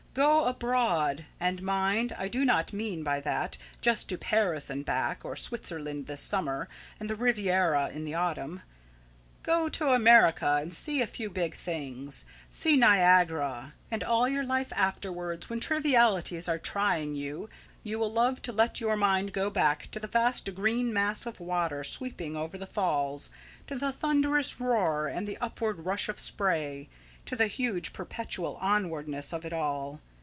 Go abroad. And, mind, I do not mean by that, just to Paris and back, or Switzerland this summer, and the Riviera in the autumn. Go to America and see a few big things. See Niagara. And all your life afterwards, when trivialities are trying you, you will love to let your mind go back to the vast green mass of water sweeping over the falls; to the thunderous roar, and the upward rush of spray; to the huge perpetual onwardness of it all.